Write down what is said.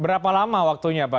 berapa lama waktunya pak